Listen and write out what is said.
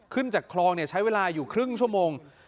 จากคลองใช้เวลาอยู่ครึ่งชั่วโมง